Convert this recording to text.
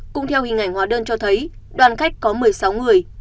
cũng theo hình ảnh hóa đơn cho thấy đoàn khách có một mươi sáu người